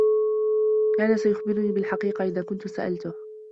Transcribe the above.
كان سيخبرني بالحقيقة إذا كنت سألته.